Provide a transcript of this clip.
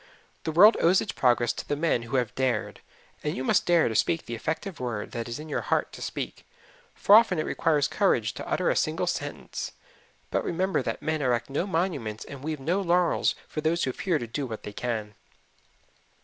The world owes its progress to the men who have dared, and you must dare to speak the effective word that is in your heart to speak for often it requires courage to utter a single sentence. But remember that men erect no monuments and weave no laurels for those who fear to do what they can.